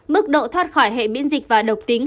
mức độ thoát khỏi hệ biễn dịch và độc tính